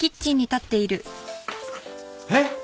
えっ！？